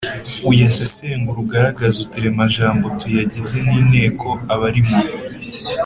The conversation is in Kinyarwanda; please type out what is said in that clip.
uyasesengure ugaragaze uturemajambo tuyagize n’inteko arimo.